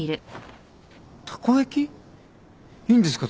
いいんですか？